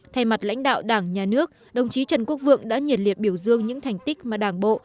thay mặt lãnh đạo đảng nhà nước đồng chí trần quốc vượng đã nhiệt liệt biểu dương những thành tích mà đảng bộ